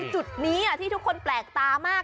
จุดนี้ที่ทุกคนแปลกตามาก